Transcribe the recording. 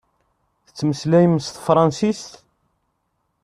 Tettmeslayem s tefransist?